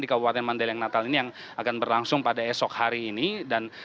di kabupaten mandailing natal ini yang akan berlangsung pada esok hari ini dan